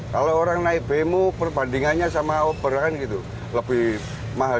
kalau orang naik bemo perbandingannya sama oper kan gitu lebih mahal